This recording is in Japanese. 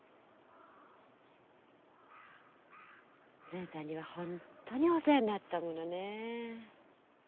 善さんには本当にお世話になったからねぇ。